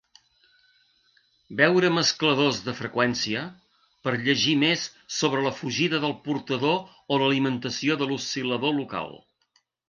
Veure mescladors de freqüència, per llegir més sobre la fugida del portador o l'alimentació de l'oscil·lador local.